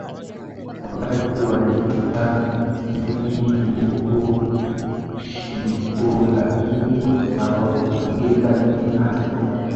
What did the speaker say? wakati walipita kwenye miauko suko lakini awakukata tamaa kuitetea nchi yao lengo si kujionyesha